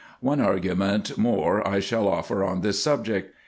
One argument more I shall offer on this subject.